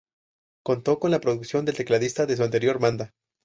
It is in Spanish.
Contó con la producción del tecladista de su anterior banda.